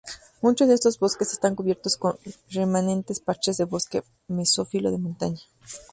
Mucho de estos bosques están cubiertos con remanentes parches de bosque mesófilo de montaña.